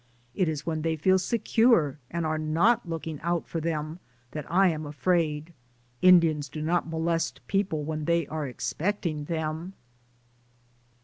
It is when they feel secure and are not looking out for them that I am afraid. Indians do not molest people when they are expecting them."